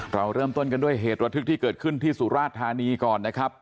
เราเริ่มต้นกันด้วยเหตุระทึกที่เกิดขึ้นที่สุราชธานีก่อนนะครับ